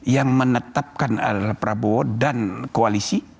yang menetapkan adalah prabowo dan koalisi